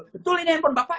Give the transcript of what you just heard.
betul ini handphone bapak